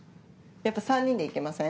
やっぱ３人で行きません？